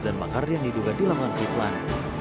dan makar yang diduga di langkah kiflan